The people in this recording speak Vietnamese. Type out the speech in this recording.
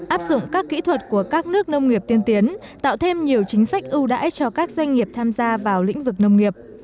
áp dụng các kỹ thuật của các nước nông nghiệp tiên tiến tạo thêm nhiều chính sách ưu đãi cho các doanh nghiệp tham gia vào lĩnh vực nông nghiệp